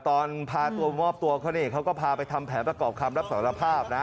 ตอนพาตัวมอบตัวเขานี่เขาก็พาไปทำแผนประกอบคำรับสารภาพนะ